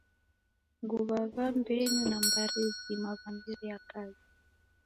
Guw'a w'ambenyu w'a mbari zima w'amerie kazi.